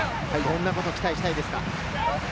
どんなことを期待したいですか？